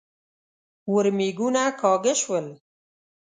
ورمېږونه کاږه شول.